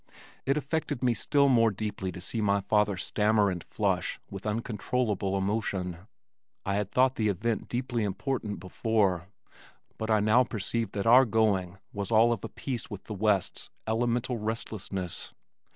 It affected me still more deeply to see my father stammer and flush with uncontrollable emotion. I had thought the event deeply important before, but I now perceived that our going was all of a piece with the West's elemental restlessness.